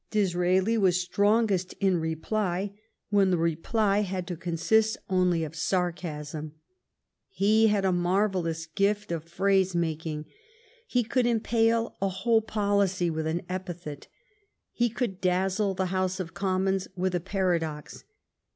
Disraeli was strongest in reply when the reply had to consist only of sarcasm. THE STORY OF GLADSTONE'S LIKE He had a marvellous gift of phrase making. He c(]uld impale n whole poiicy with an epithet. He could dazzle the House of Commons with a para dox.